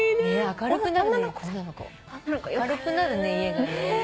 明るくなるね家がね。